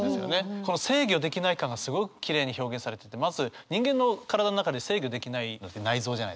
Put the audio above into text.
この制御できない感がすごくきれいに表現されててまず人間の体の中で制御できないのって内臓じゃないですか。